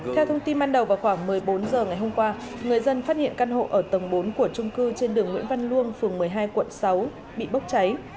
theo thông tin ban đầu vào khoảng một mươi bốn h ngày hôm qua người dân phát hiện căn hộ ở tầng bốn của trung cư trên đường nguyễn văn luông phường một mươi hai quận sáu bị bốc cháy